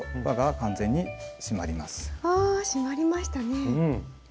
ああ締まりましたね。